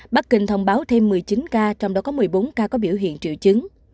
bắc kinh thông báo thêm một mươi chín ca trong đó có một mươi bốn ca có biểu hiện triệu chứng